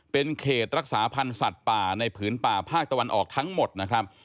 เป็นเขตรักษาพันธ์สัตว์ป่าในผืนป่าภาคตะวันออกทั้งหมดนะครับ